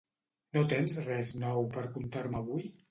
No tens res nou per contar-me avui?